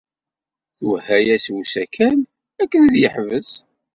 Twehha-as i usakal akken ad yeḥbes.